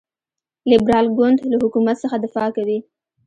لیبرال ګوند له حکومت څخه دفاع کوي.